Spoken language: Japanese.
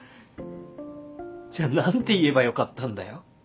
じゃあ何て言えばよかったんだよ？